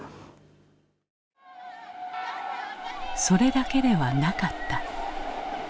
それだけではなかった。